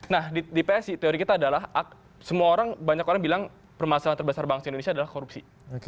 nah di psi teori kita adalah semua orang banyak orang bilang permasalahan terbesar bangsa indonesia adalah korupsi